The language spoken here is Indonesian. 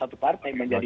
satu partai menjadi